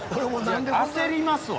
焦りますわ。